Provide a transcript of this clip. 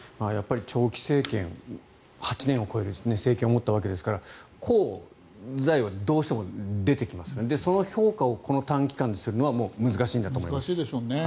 長期政権、８年を超える政権を持ったわけですから功罪はどうしても出てきますがその評価を短期間でするのはもう難しいんだと思います。